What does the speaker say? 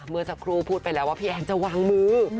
เมื่อสักครู่พูดไปแล้วว่าพี่แอนจะวางมือ